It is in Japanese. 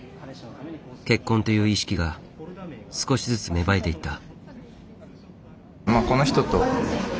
結婚という意識が少しずつ芽生えていった。